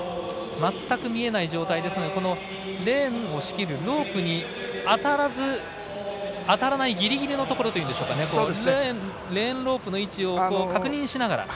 全く見えない状態ですがこのレーンを仕切るロープに当たらないギリギリのところでレーンロープの位置を確認しながら。